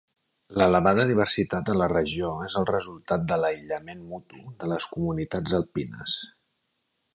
L'elevada diversitat a la regió és el resultat de l'aïllament mutu de les comunitats alpines.